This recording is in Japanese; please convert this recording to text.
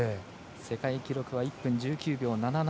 世界記録は１分１９秒７７。